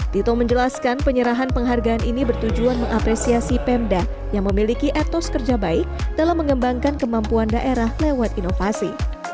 tito menjelaskan penyerahan penghargaan ini bertujuan mengapresiasi pemda yang memiliki etos kerja baik dalam mengembangkan kemampuan daerah lewat inovasi